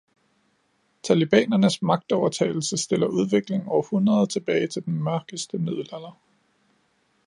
Talibanernes magtovertagelse stiller udviklingen århundreder tilbage til den mørkeste middelalder.